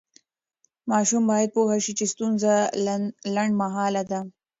ماشوم باید پوه شي چې ستونزه لنډمهاله ده.